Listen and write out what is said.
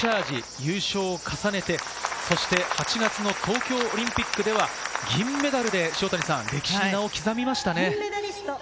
優勝を重ねて８月の東京オリンピックでは銀メダルで歴史に名を刻みました。